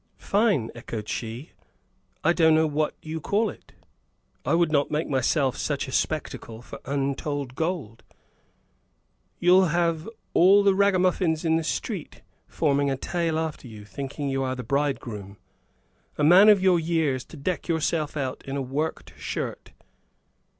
"Fine!" echoed she. "I don't know what you call it. I would not make myself such a spectacle for untold gold. You'll have all the ragamuffins in the street forming a tail after you, thinking you are the bridegroom. A man of your years to deck yourself out in a worked shirt!